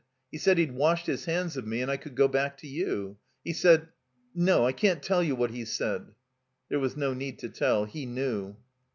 He said he'd washed his hands of me and I could go back to you. He said — No, I can't tell you what he said." There was no need to tell. He knew.